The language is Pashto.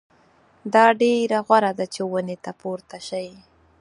دا ډېره غوره ده چې ونې ته پورته شئ.